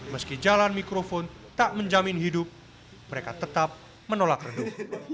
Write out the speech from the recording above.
meski jalan mikrofon tak menjamin hidup mereka tetap menolak redup